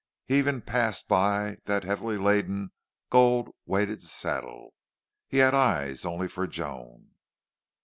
He even passed by that heavily laden, gold weighted saddle. He had eyes only for Joan.